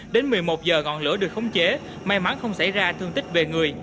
đến một mươi một giờ ngọn lửa được khống chế may mắn không xảy ra thương tích về người